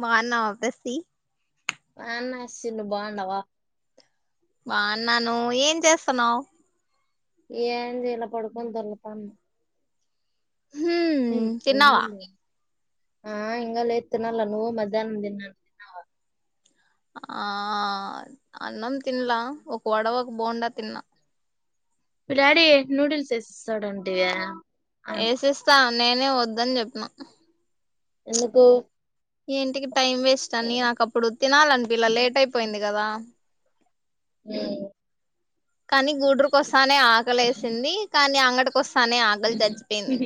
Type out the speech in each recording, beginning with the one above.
మా అన్నా వసి అన్నసిన్న బాన్నావా బా అన్నాను ఏం చేస్తున్నావ్ ఏం చేలా పడుకని దొర్లుతానా హ్మ్ హ్ ఏమ తిన్నావా లే ఆ ఇంగ లేద్ తినాల నువు మధ్యాహ్నందినాను నువ్ తిన్నావా ఆ అన్నం తిన్లా ఒక వడవ ఒక బోండా తిన్నా విరాడియే నూడిల్స్ తెస్తాడండియే ఏసె స్తా నేనే వద్దని చెప్పిన ఎందుకు ఏంటికి టైం వేస్ట్ అని నాకు అప్పుడు తినాలనిపి ఇలా లేట్ అయిపోయింది కదా లఉం కానీ గుడ్రకొస్తానే ఆకలి వసింది కానీ అంగటకిొస్తానే ఆకలి చచ్చిపోయింది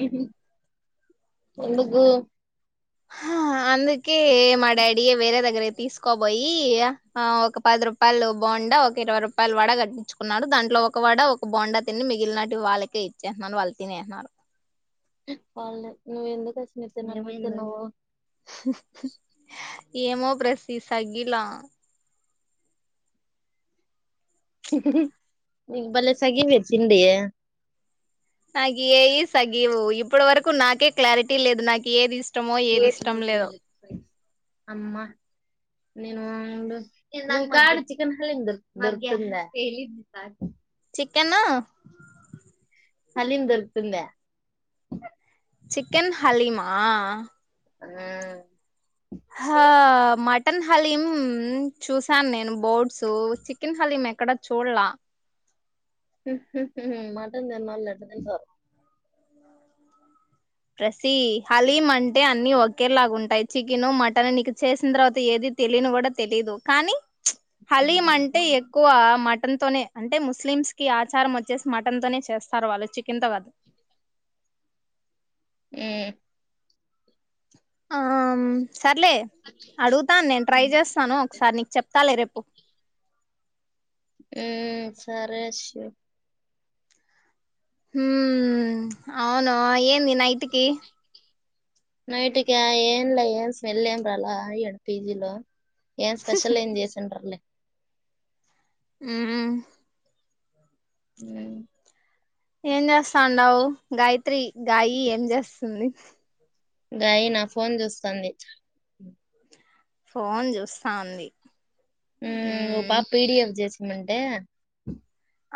ఎందుకు అందు అకే మా డాడి వేరే దగ్గర తీసుకోబోయి ఆ ఒక పది రూపాయలు బాండా ఒక ఇరవై రూపాయలు వడ కట్టించుకున్నారు దాంట్లో ఒక వడ ఒక బోండా తిని మిగిలినటి వాళ్ళకే ఇచ్చేస్తున్నారు వాళ్ళు తినేస్తున్నారు వాళ్ళ నువ్వు ఎందుకు వచ్చిన నువ్వు [inaudible] ఏమో ప్రసి సగ్గీలా న బలే సగివ చిండయ సగియేయి సగి ఒ ఇప్ ఇప్పటి వరకు నాకే క్లారిటీ లేదు నాకు ఏదిస్ ఇష్టమో ఏది ఇష్టం లేదో అమ్మా నేను కడు చికెన్ హల్ంద చికెన్ అలీం దొరుకుతుంద చికెన్ హలీమా ఆ హా మాటి చికన్ హలీం చూసాను నేను బోర్డ్స్ చికెన్ హలీం ఎక్కడ చూడలా మటన్ తన్నా లేంటంద సార ప్రసీ హలీం అంటే అన్నిీ ఒకేలాగా ఉంటాయి చికెను మటన్ నీకు చేసిన తర్వాత ఏది తెలియని కూడా తెలీదు కానీ హలీం ఉమ్ అంటే ఉమ్ ఎక్కువ మట్ మటన్ తనే అంటే ముస్లిమ్స్ కి ఆచారం వచ్చేసి మటన్ తోనే చేస్తారు వాళ్ళు చికెన్ తో కదు ఆ ఆ సర్లే అడుగుతాను నేను ట్రై చేస్తాను ఒకసారి నీకు చెప్పను తల రేపు ఉ సరేష హ అవును ఏన్ న నాయి ంటికి నైట్కి ఏంల ఏం స్మెల్ ఏం రాాల అయడు పిజీలో ఏం స్పెషల్ ఏం చేసిండ్రలే ఆ [unintelligible] ఏం చేస్తుందవ్ గాయి త్రి గాయి ఏం చేస్తుంది గాయి నా ఫోన్ చూస్తుంది ఫోన్ చూస్తా ఉంది హ్మ్మ్ ఓ హ్మ్ పాప పీడిఎఫ్ చేసిమను ఏ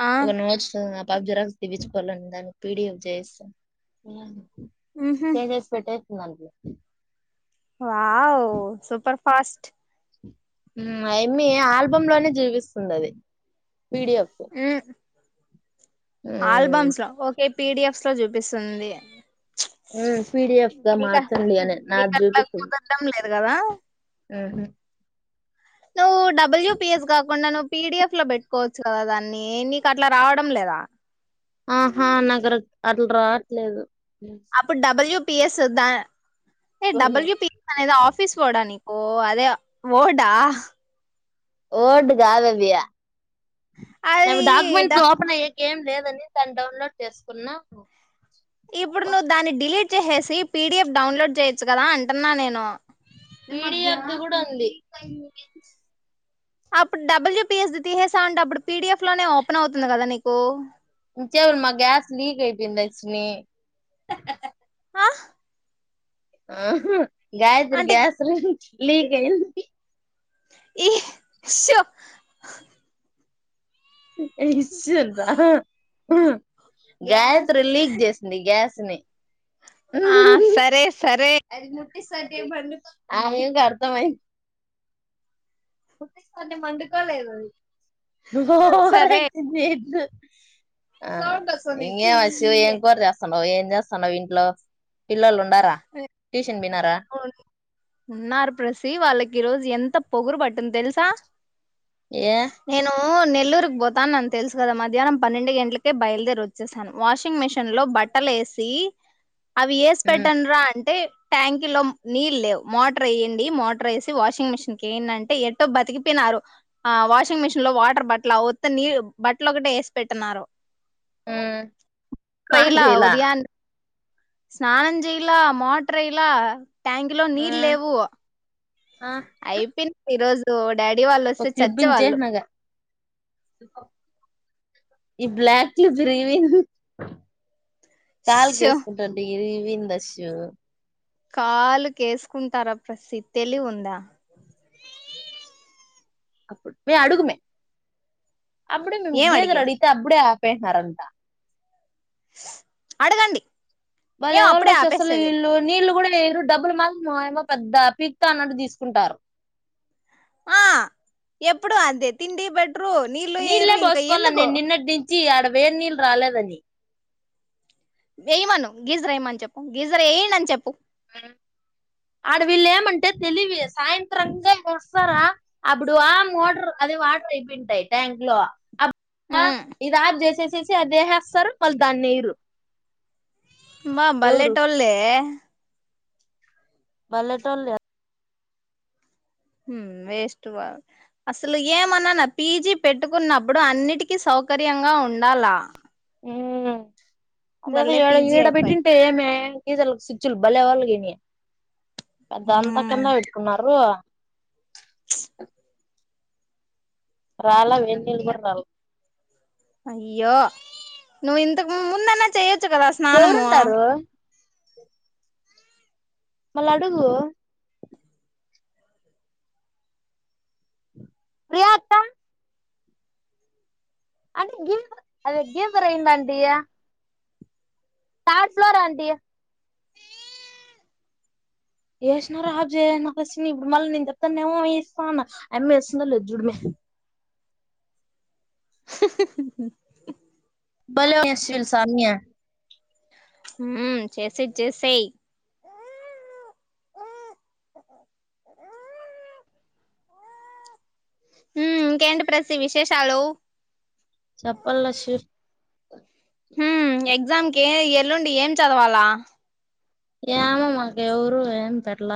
ఆ ఒక నోచ్చ పబ్ జరాక్స్ తీపిచ్చుకోవాలి అంట దానికి పిడిఎఫ్ చేయిస్తాను ఉహు చేసేసి పెట్టేయ్ నాన్ ప్లే వావ్ సూపర్ ఫాస్ట్ ఆ అమ్మి ఆల్బమ్ లోనే చూపిస్తుంది అది పీడిఎఫ్ మ్మ్ ఆల్బమ్స్ లో ఓకే పిడిఎఫ్ సో చూపిస్తుంది హ్మ్మ్ మీకా మీకట్ల కుదరడం లేదు కదా హ్మ్మ్ హ్మ్మ్ నువ్ డబ్ల్యూ పి ఎస్ కాకుండా ను పిడిఎఫ్ లో పెట్టుకోవచ్చు కదా దాన్ని నీకు అట్లా రావడం లేదా ఆహా నాకు అట్లా రావట్లేదు అప్పుడు డబల్యూపిఎస్ ద ఏ డబల్యూ పి అనేది ఆఫీస్ వర్డ్అని ఓ అదే ఓర్డ్ హా ఓర్డ్ కాదు అది అది నావి డాక్యుమెంట్స్ డబ్ ఓపెన్ అయ్యేకి ఏం లేదు తనీ తాన్ డౌన్లోడ్ చేసుకున్నా ఇప్పుడు నువ్వు దాన్ని డిలీట్ చేసేసి పిడిఎఫ్ డౌన్లోడ్ చేయొచ్చు కదా అంటున్నా నేను పిడిఎఫ్ ది కూడా ఉంది అప్పుడు డబల్యూపిఎస్ ది తీసేస్తా అప్పుడు పిడిఎఫ్ లోనే ఓపెన్ అవుతుంది కదా నీకు మా గ్యాస్ లీక్ అయిపోయింది అక్షిణి ఆ ఆహా గాయత్రి అంటే గ్యాస్ లీక్అయింది ఈస్ో ఇచ గ [inaudible] లీక్ చేసింది గ్యాస్ స్ని [inaudible] ఆ సరే సరే అది ముట్సాట పండ ఆ అర్థమ ముసా మండకాళదు అది [inaudible] సరే రజ [inaudible] బ [unintelligible] ఇంే వ శివు ఎం పోస్త హలో ఎంజేస్తన్నావ్ ఇంట్లో పిల్లోళ్ళు ఉండారా ఎందిన్నారు ఉన్నారు ప్రసీ వాళ్ళకి ఈరోోజు ఎంత పొగురు పట్టుంది తెలుసా ఏ నేను నెల్లూరుకి పోతానని తెలుసు కదా మధ్యాహ్నం పన్నెండు గంటలకే బయలుదేరి వచ్చేసాను వాషింగ్ మెషిన్ లో బట్టలు వేసి అవి వేసి పెట్టండ్రా అంటే థంక్ ూ లో నీళ్ లేవు మోటర్ వే్యండి మోటర్ వేసి వాషింగ్ మిషిన్కి వేయండి అంటే ఎటో బతికిపోయినారు ఆ వాషింగ్ మిషన్ లో వాటర్ బట్ల ఉత్త నీళ్ బట్టలు ఒకటే వేసి పెట్టినారు ఆన్ ర్రైలా చేయలా ఉదయా స్నానం చేయలా మోటరైలా ట్యాంక్ లో నీళ్ లేవు అయిపో ఈ రోజు దోడ్ డాడీ వాళ్ళు ఒక వస్తే క్లిప్ చచ్చే వాళ్ళు ఇచ్చేసినాక ఈ బ్లాక్లు ప్రీవిన్ టాల్ షో వేసుకుంటాండి ఇది విందస్సు కాలు కేసుకుంటారా ప్రసి తెలివు ఉందా అప్పుడు మే అడుగుమే అప్పుడే మము ఏం గేద అడిగేది రడిీతే అప్పుడే ఆ పె కరాంత అడగండి వాళ్ళ ఏం ఎవరిళ అప్పుడే చెసలు ఆపేసేది ఇళ్ళు నీళ్ళలు కూడా మీరు డబ్బులు మాత్ర ఏమో పెద్ద పీక్తా అన్నట్టు తీసుకుంటారు ఆ ఎప్పుడు అంతే తిండి బెడ్ నీల్లే పోస్కోలె నేను నిన్నట్ నుంచి చి ఆడ వేడి నీళ్ళ రాలేదని వేయమను గీజర్ ఏయమని చెప్పు గీజర్ వెయ్యండని చెప్పు ఆడ వీళ్ళు ఏమంటే తెలివి సాయంత్రంగా వస్తారా అప్పుడు ఆ మోటర్ అదే వాటర్ అయిపోయింటాయి ట్యాంక్ లో ఆప్పుడు ఆ ఉమ్ ఈ రాత్ర ఏసేసింది. సి అదేవేస్తారు మల్లీ దాన్ని యయిరు మా బల్లెటో ల్లే బళ్ళటోల్లే వేస్ట్ అసలు ఏమన్నానా పీజీ పెట్టుకున్నప్పుడు అన్నిటికిీ సౌకర్యంగా ఉండాలా అ అదే అద బల్లే ఏడ పీజీ ఈడ అయిపోయి పెట్టింటే ఏమీ ఇదల్ సిచ్చుల్ భలే వాల్గని పెద్దంతా అంతకన్నా పెట్టుకున్నారు రాలా వెడినీళ్ళు కూడా రాల అయ్యో నువ్ ఇంతకు ముందన్న చేయొచ్చుకదా స్నానము ఎవరుంటారు మళ అడుగు ప్రీయాత్త అంటే గ అదే గీజర్ ఏయ్ అంటియా థర్డ్ ఫ్లోర్ అండి వేసినారా అప్ చే అన్నాక వస్తీమీ ఇప్పుడు మళ్ళీ నేను చెప్తా ఏమో వస్తాను అయమ్మీ వేస్తుందొ లేదో చూడుమే భలెసిల్స్ సాన్యా హ్మ్ చేసేయి చేసేయ్ ఆ హ్మ్ ఇంకేంటి ప్రశ్ విశేషాలు చెప్పల్లా షీర్ ఎగ్జామ్కి ఏ ఎల్లుండి ఏం చదవాలా ఏమో మాకు ఎవరు ఏమి పెట్ల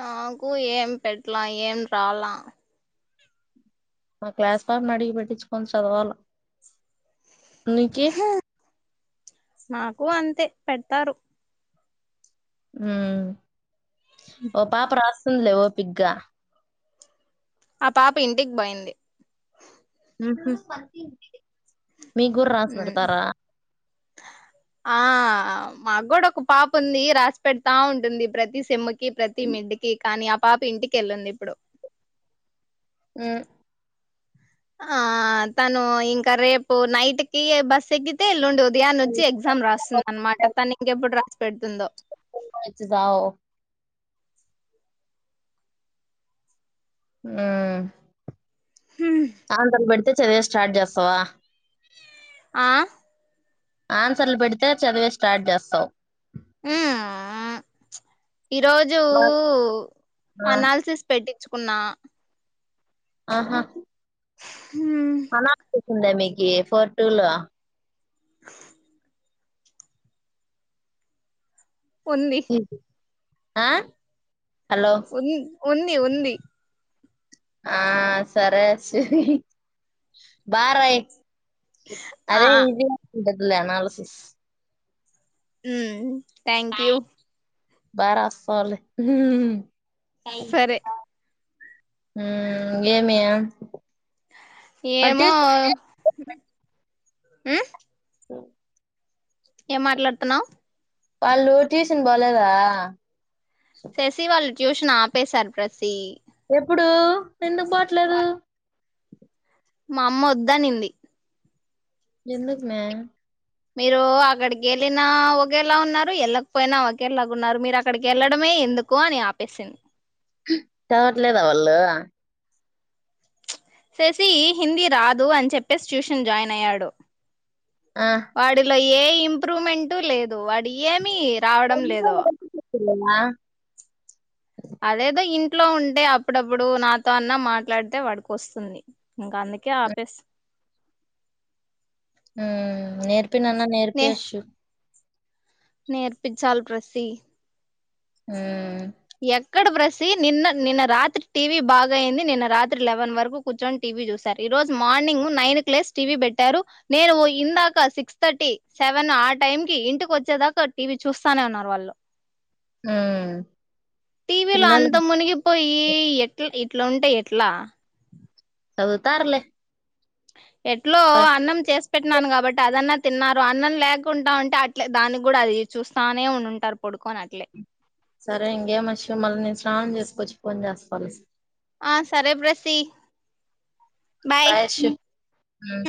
నాకు ఏం పెట్ల ఏం రాల మా క్లాస్ పాపని అడిగి పెట్టించుకొని చదవాల నీకి నాకు అంతే పెడ్తారు మ్మ్ ఓ పాపరాస్ స్తుందలే వోపిగ్గా ఆ పాప ఇంటికి బోయింది మ్మ్ హు మీగుర్ రాసి ఉమ్ పెడతారా ఆ మాగ్గూడ ఒక పాప ఉంది రాసి పెడతా ఉంటుంది. ప్రతి సెమ్మ్ కి ప్రతి మిడ్డికి కానీ ఆ పాప ఇంటికెళ్ళింది, ఇప్పుడు ఉమ్ ఆ తను ఇంకా రేపు నైట్ కి బస్ ఎక్కితే ఎల్లుండి ఉదయాన్ వచ్చి ఎగ్జామ్ రాస్తుంది అనమాట తను ఇంకెప్పుడు రా పెడుతుందో వచ్చి జావ్ ఆ ఆంతల్ కి పెడ్ తే చదివేది స్టార్ట్ చేస్తావా ఆ ఆన్సర్లు పెడితే చదివేది స్టార్ట్ చేస్తావ్ మ్మ్ ఆ ఈ రోజు ఆ, అనాలిసిస్ పెట్టి చ్చుకున్నా ఆహా హ్మ్ అనాలిసిస్ ఉందా మీక్ ఏ ఫోర్ టూ లో ఉంది ఆ హలో ఉన్ ఉంది ఉంది ఆ సరే సరి బా రాయ్ ఆ అదే ఈజి ఇ దగ్గి లే అనాలసిస్ అమ్ థ్యాంక్ యూ బార సాలే సరే థైహింక హుమ్ ఏమియా ఏమో హుమ్ స [inaudible] ఏం మాట్లాడుతున్నావ్ వాళ్ళు ట్యూషన్ పోలేదా శెసి వాళ్ళు ట్యూషన్ ఆపేసారు ప్రసీ ఎప్పుడూ ఎందుకు బోట్లేదు మా అమ్మ వద్దనింది ఎందుకుమే మీరు అక్కడికి వెళ్ళినా ఒకేలా ఉన్నారు వెళ్ళకపోయినా ఒకేలాగున్నారు మీరు అక్కడికి వెళ్ళడమే ఎందుకు అని ఆపేసింది చదవట్లేదా వాళ్ళు సెసీ హిందీ రాదు అని చెప్పేసి ట్యూషన్ జాయిన్ అయ్యాడు ఆ. వాడిలా ఏ ఇంప్రూవ్మెంట్ లేదు వాడి ఏమీ రావడం లేదో పిల్లలా అదేదో ఇంట్లో ఉంటే అప్పుడప్పుడు నాతో అన్న మాట్లాడితే వాడికొస్తుంది ఇంకా అందుకే ఆపేసి హూమ్ నేర్ పినన్న నేర్పియొచ్చు నేర్పిచ్చాలి ప్రసీ హుమ్ ఎక్కడ ప్రసీ నిన్న నిన్న రాత్రి టీవీ బాగాయింది నిన్న రాత్రి లెవెన్ వరకు కూర్చొని టీవీ చూశారు. ఈ రోజు మార్నింగ్ నైన్ క్ లేస్ టీవీ పెట్టారు నేను ఇందాక సిక్స్ థర్టీ సెవెన్ ఆ టైం కి ఇంటికొచ్చేదాకా టీవీ చూస్తానే ఉన్నారు వాళ్ళు హుమ్ టీవీ లో అంత మునిగిపోయి ఇ ఎట్ల ఇట్లుంటే ఎట్లా సదుతార్లే [inaudible] ఎట్లో అన్నం చేసి పెట్టినానుగా బట్ అదన్నా తిన్నారు అన్నం లేకుంటా ఉంటే అట్లే దానికి కూడా అది చూస్తానే ఉండుంటారు పడుకోని అట్లే సరే ఇంకే మష మల్ల నేన్ స్నానం చేసుకోవచ్చి ఫోన్ చేస్తాలే ఆ సరే బ్రసీ పయష ఆ